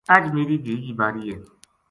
اج میری دھی کی باری ہے